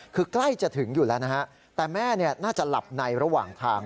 คือใกล้จะถึงอยู่แล้วนะฮะแต่แม่น่าจะหลับในระหว่างทาง